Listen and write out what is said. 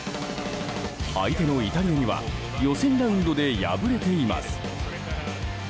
相手のイタリアには予選ラウンドで敗れています。